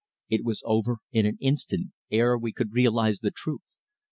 It was over in an instant, ere we could realise the truth.